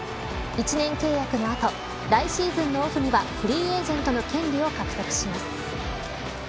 １年契約の後来シーズンのオフにはフリーエージェントの権利を獲得します。